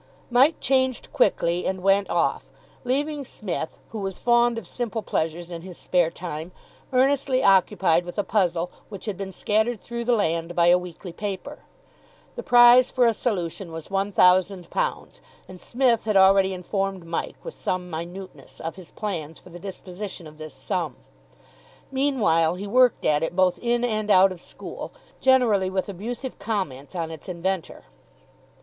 Mike changed quickly, and went off, leaving Psmith, who was fond of simple pleasures in his spare time, earnestly occupied with a puzzle which had been scattered through the land by a weekly paper. The prize for a solution was one thousand pounds, and Psmith had already informed Mike with some minuteness of his plans for the disposition of this sum. Meanwhile, he worked at it both in and out of school, generally with abusive comments on its inventor.